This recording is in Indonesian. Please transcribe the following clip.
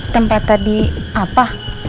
tempat tadi apa